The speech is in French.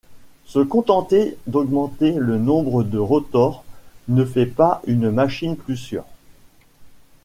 Se contenter d'augmenter le nombre de rotors ne fait pas une machine plus sûre.